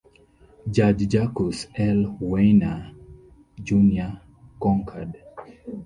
Judge Jacques L. Wiener, Junior concurred.